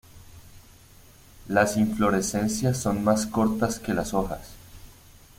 Las inflorescencias son más cortas que las hojas.